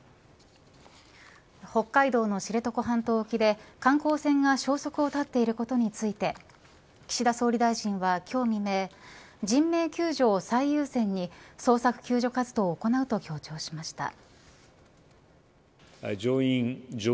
北海道の知床半島沖で観光船が消息を絶っていることについて岸田総理大臣は今日未明人命救助を最優先に捜索救助活動を行うと強調しました。